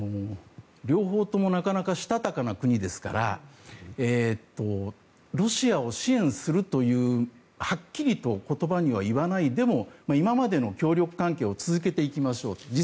両方ともなかなかしたたかな国ですからロシアを支援するというはっきりと言葉には言わないでも、今までの協力関係を続けていきましょうと。